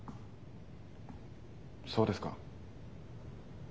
そうですか？